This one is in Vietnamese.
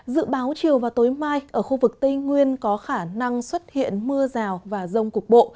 dự báo chiều và tối mai ở khu vực tây nguyên có khả năng xuất hiện mưa rào và rông cục bộ